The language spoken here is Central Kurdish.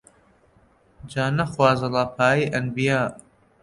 جا نەخوازەڵا پایەی ئەنبیا